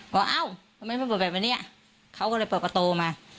ว่าเอ้าทำไมไม่เปิดแบบนี้เค้าก็เลยเปิดประโต้มา